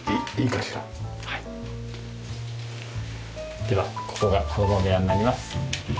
ではここが子供部屋になります。